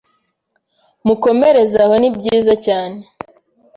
mukomerezaho nibyiza cyane